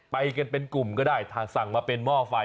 ไปกันเป็นกลุ่มก็ได้ถ้าสั่งมาเป็นหม้อไฟ